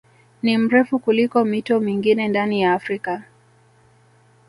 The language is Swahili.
Ni mrefu kuliko mito mingine ndani ya Afrika